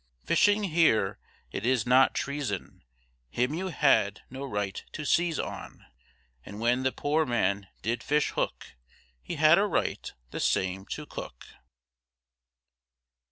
Fishing here it is not treason, Him you had no right to seize on, And when the poor man did fish hook, He had a right the same to cook.